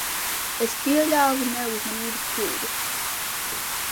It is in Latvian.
Es pieļāvu neuzmanības kļūdu.